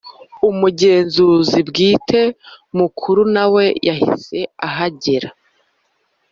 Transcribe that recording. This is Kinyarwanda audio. Umugenzuzi Bwite Mukuru nawe yahise ahagera